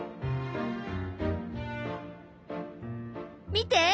見て！